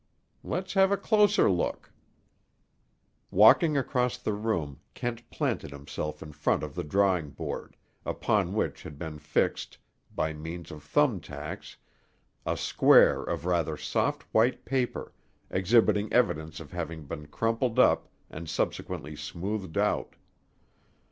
"Let's have a closer look." Walking across the room Kent planted himself in front of the drawing board, upon which had been fixed, by means of thumb tacks, a square of rather soft white paper, exhibiting evidence of having been crumpled up and subsequently smoothed out.